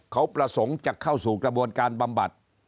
เขาประสงค์จะเข้าสู่กระบวนการบำบัด